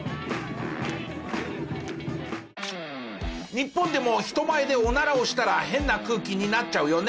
日本でも人前でおならをしたら変な空気になっちゃうよね？